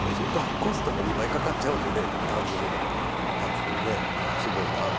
コストも２倍かかっちゃうんで、単純にすごいなと。